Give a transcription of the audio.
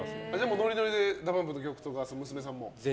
ノリノリでＤＡＰＵＭＰの曲とか娘さんも？